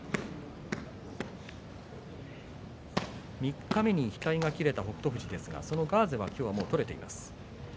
三日目に額が切れた北勝富士ですが、ガーゼはもう取れています。